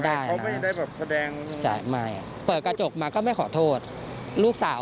แต่เขาไม่ได้แบบแสดงไม่เปิดกระจกมาก็ไม่ขอโทษลูกสาว